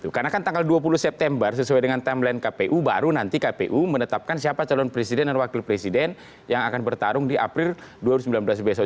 karena kan tanggal dua puluh september sesuai dengan timeline kpu baru nanti kpu menetapkan siapa calon presiden dan wakil presiden yang akan bertarung di april dua ribu sembilan belas besok